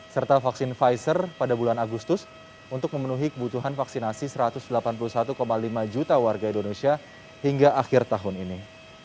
serta vaksin pfizer pada bulan agustus untuk memenuhi kebutuhan vaksinasi satu ratus delapan puluh satu lima juta warga indonesia hingga akhir tahun ini